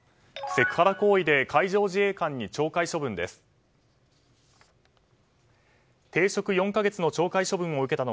セクハラ行為で海上自衛官に懲戒処分です。